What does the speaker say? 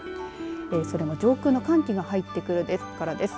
それも空の上空の寒気が入ってくるからです。